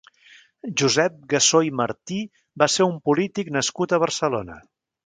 Josep Gassó i Martí va ser un polític nascut a Barcelona.